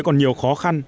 còn nhiều khó khăn